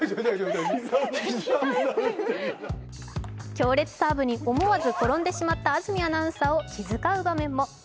強烈サーブに思わず転んでしまった安住アナウンサーを気遣う場面も。